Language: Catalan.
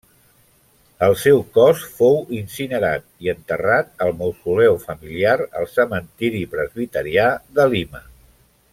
El seu cos fou incinerat i enterrat al mausoleu familiar al cementiri presbiterià de Lima.